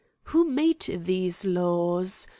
Who made these laws ?